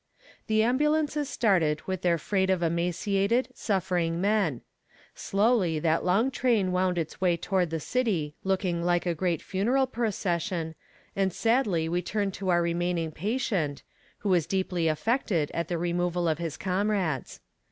The ambulances started with their freight of emaciated, suffering men. Slowly that long train wound its way toward the city looking like a great funeral procession, and sadly we turned to our remaining patient, who was deeply affected at the removal of his comrades.